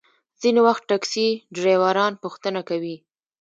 ځینې وخت ټکسي ډریوران پوښتنه کوي.